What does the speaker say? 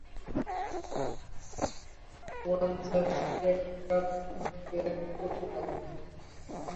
ওনার just এক cup black coffee লাগবে।